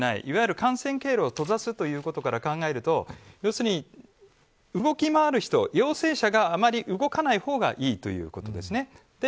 いわゆる感染経路を閉ざすということから考えると動き回る人陽性者があまり動かないほうがいいということです。